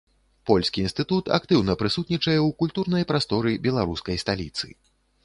Польскі інстытут актыўна прысутнічае у культурнай прасторы беларускай сталіцы.